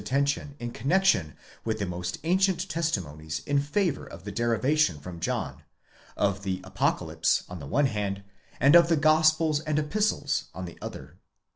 attention in connexion with the most ancient testimonies in favour of the derivation from John, of the Apocalypse on the one hand, and of the Gospels and Epistles on the other.